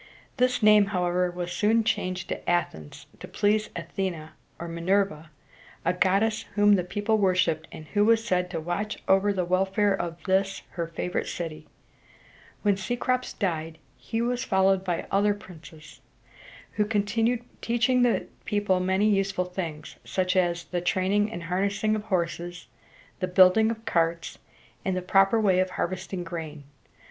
This name, however, was soon changed to Ath´ens to please A the´ne (or Mi ner´va), a goddess whom the people worshiped, and who was said to watch over the welfare of this her favorite city. [Illustration: Athene.] When Cecrops died, he was followed by other princes, who continued teaching the people many useful things, such as the training and harnessing of horses, the building of carts, and the proper way of harvesting grain.